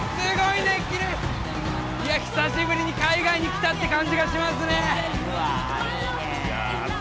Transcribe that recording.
いや久しぶりに海外に来たって感じがしますね